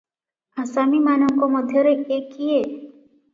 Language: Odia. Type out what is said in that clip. ଆସାମୀମାନଙ୍କ ମଧ୍ୟରେ ଏ କିଏ?